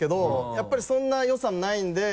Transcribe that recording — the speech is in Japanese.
やっぱりそんな予算ないんで。